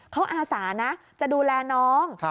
เขาอาสานะจะดูแลน้อง